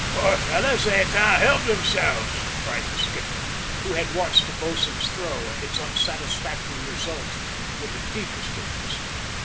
"Poor fellows; they can't help themselves!" cried the skipper, who had watched the boatswain's throw and its unsatisfactory result with the deepest interest.